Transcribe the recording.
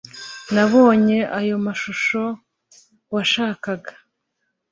nabonye ayo mashusho washakaga